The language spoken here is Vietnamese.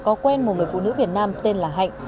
có quen một người phụ nữ việt nam tên là hạnh